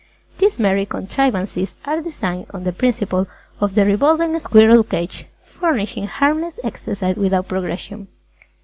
These merry contrivances are designed on the principle of the revolving squirrel cage, furnishing harmless exercise without progression.